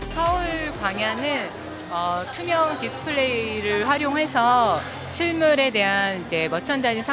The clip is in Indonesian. seoul gwangya dengan display yang terlihat terlihat terlihat